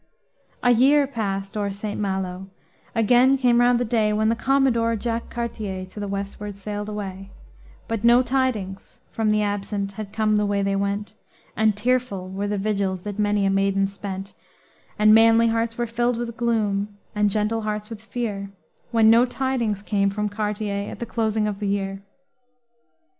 A year passed o'er St. Malo again came round the day, When the Commodore Jacques Cartier to the westward sailed away; But no tidings from the absent had come the way they went, And tearful were the vigils that many a maiden spent; And manly hearts were filled with gloom, and gentle hearts with fear, When no tidings came from Cartier at the closing of the year.